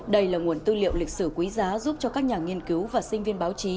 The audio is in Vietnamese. đây là nguồn tư liệu lịch sử quý giá giúp cho các nhà nghiên cứu và sinh viên báo chí